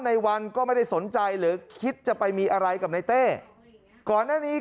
ในวันก็ไม่ได้สนใจหรือคิดจะไปมีอะไรกับในเต้ก่อนหน้านี้